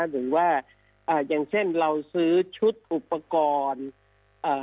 หรือว่าอ่าอย่างเช่นเราซื้อชุดอุปกรณ์อ่า